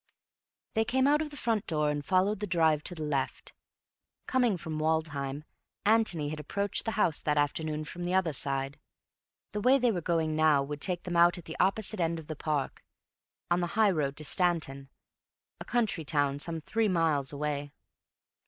They came out of the front door and followed the drive to the left. Coming from Woodham, Antony had approached the house that afternoon from the other side. The way they were going now would take them out at the opposite end of the park, on the high road to Stanton, a country town some three miles away.